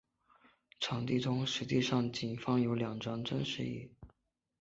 场地中实际上仅放有两张真实椅。